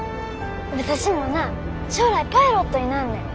私もな将来パイロットになんねん。